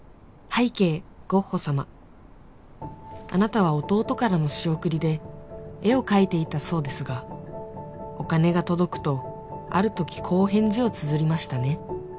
拝啓ゴッホ様あなたは弟からの仕送りで絵を描いていたそうですがお金が届くとあるときこう返事をつづりましたね